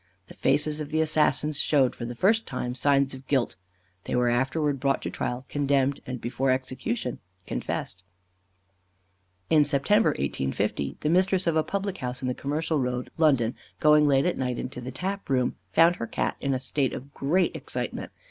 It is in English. The faces of the assassins showed, for the first time, signs of guilt: they were afterwards brought to trial, condemned, and, before execution, confessed. In September, 1850, the mistress of a public house in the Commercial Road, London, going late at night into the tap room, found her Cat in a state of great excitement.